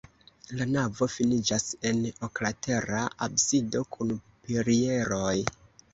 La navo finiĝas en oklatera absido kun pilieroj.